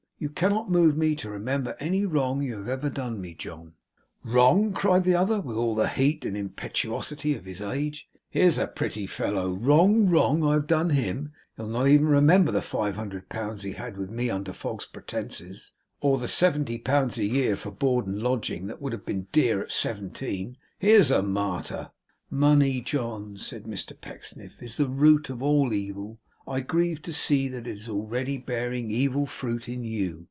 You cannot move me to remember any wrong you have ever done me, John.' 'Wrong!' cried the other, with all the heat and impetuosity of his age. 'Here's a pretty fellow! Wrong! Wrong I have done him! He'll not even remember the five hundred pounds he had with me under false pretences; or the seventy pounds a year for board and lodging that would have been dear at seventeen! Here's a martyr!' 'Money, John,' said Mr Pecksniff, 'is the root of all evil. I grieve to see that it is already bearing evil fruit in you.